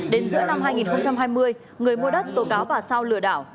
đến giữa năm hai nghìn hai mươi người mua đất tố cáo bà sao lừa đảo